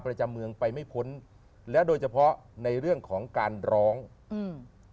ประจำเมืองไปไม่พ้นและโดยเฉพาะในเรื่องของการร้องอืม